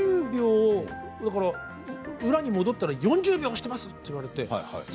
裏に戻ったら４０秒押していますと言われて。